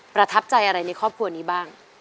ประทับใจอะไรในครอบครัวนี้บ้าง